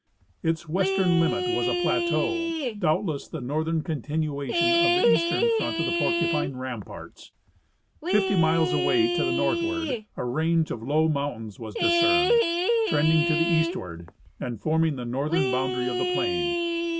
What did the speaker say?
Its western limit was a plateau, doubtless the northern continuation of the eastern front of the Porcupine ramparts. Fifty miles away to the northward a range of low mountains was discerned, trending to the eastward, and forming the northern boundary of the plain.